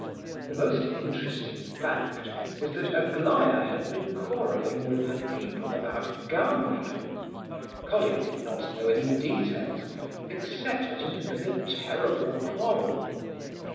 The most interesting fact was that Aglaya had been quarrelling with her people about Gania. Colia did not know any details, except that it had been a terrible quarrel!